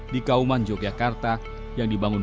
dikauman yogyakarta yang dibangun